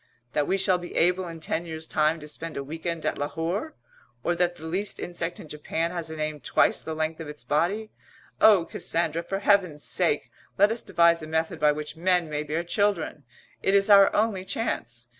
That we shall be able in ten years' time to spend a week end at Lahore? Or that the least insect in Japan has a name twice the length of its body? Oh, Cassandra, for Heaven's sake let us devise a method by which men may bear children! It is our only chance.